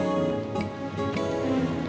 nih jangan berest rosie itu